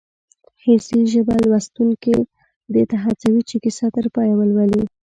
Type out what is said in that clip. حسي ژبه لوستونکی دې ته هڅوي چې کیسه تر پایه ولولي